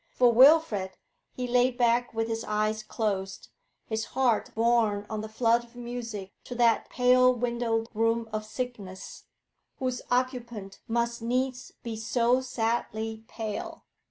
For Wilfrid, he lay back with his eyes closed, his heart borne on the flood of music to that pale windowed room of sickness, whose occupant must needs be so sadly pale.